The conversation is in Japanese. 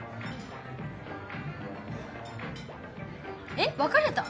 えっ別れた？